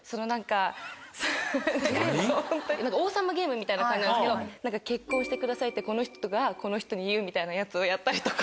みたいな感じなんですけど結婚してくださいってこの人がこの人に言うみたいなやつをやったりとか。